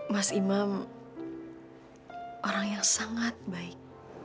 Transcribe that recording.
mas imam orang yang sangat baik